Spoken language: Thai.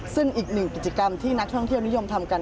ซึ่งอีกหนึ่งกิจกรรมที่นักท่องเที่ยวนิยมทำกัน